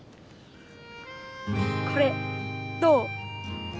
これどう？